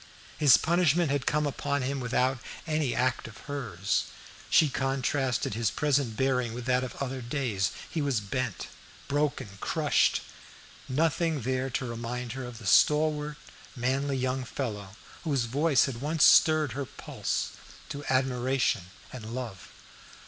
His punishment had come upon him without any act of hers. She contrasted his present bearing with that of other days. He was bent, broken, crushed. Nothing there to remind her of the stalwart, manly young fellow whose voice had once stirred her pulse to admiration and love.